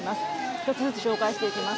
１つずつ紹介していきます。